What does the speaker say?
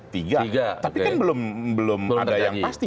tapi kan belum ada yang pasti